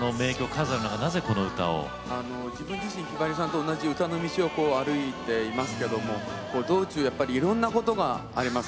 自分自身ひばりさんと同じ道を歩いていますけど道中いろんなことがあります。